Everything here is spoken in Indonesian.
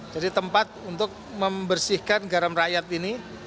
jadi tempat untuk membersihkan garam rakyat ini